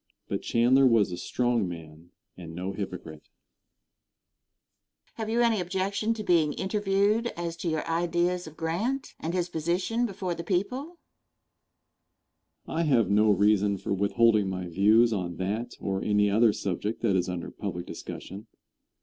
But Chandler was a strong man and no hypocrite. Question. Have you any objection to being interviewed as to your ideas of Grant, and his position before the people? Answer. I have no reason for withholding my views on that or any other subject that is under public discussion.